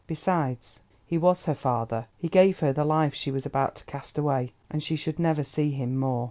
Besides, he was her father; he gave her the life she was about to cast away. And she should never see him more.